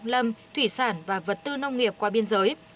lâm thủy sản và vật tư nông nghiệp qua biên giới